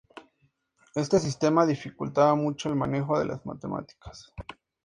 Este sistema dificultaba mucho el manejo de las matemáticas.